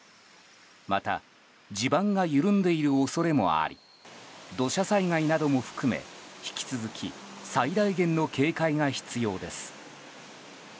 また地盤が緩んでいる恐れもあり土砂災害なども含め引き続き最大限の警戒が必要です。